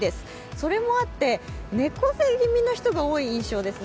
それもあって猫背気味の人が多い印象ですね。